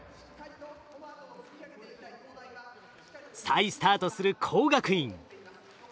再スタートする工学院。